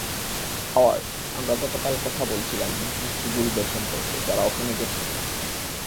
Howard, আমরা গতকাল কথা বলছিলাম ব্রিটিশ ডুবুরিদের সম্পর্কে যারা ওখানে গেছেন।